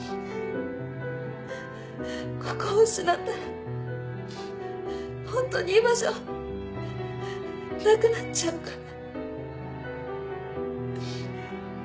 ここを失ったらホントに居場所なくなっちゃうから。